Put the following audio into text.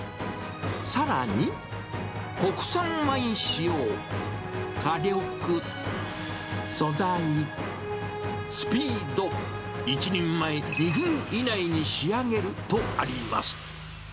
さらに、国産米使用、火力、素材、スピード、１人前２分以内に仕上げるとあります。